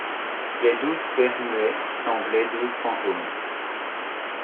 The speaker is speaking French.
Les douze pairs muets semblaient douze fantômes